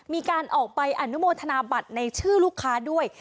มีการออกไปอนุโมทนาบัตรในชื่อลูกค้าด้วย